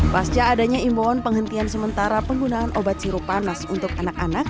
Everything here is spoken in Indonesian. pasca adanya imbauan penghentian sementara penggunaan obat sirup panas untuk anak anak